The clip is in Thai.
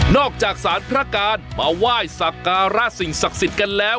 นอกจากศาลพระกาลมาไหว้สาการราชสิ่งศักดิ์สิทธิ์กันแล้ว